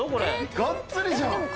がっつりじゃん。